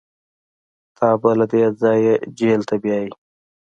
تا به له دې ځايه جېل ته بيايي.